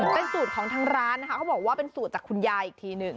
เป็นสูตรของทางร้านนะคะเขาบอกว่าเป็นสูตรจากคุณยายอีกทีหนึ่ง